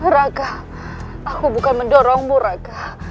raka aku bukan mendorongmu raka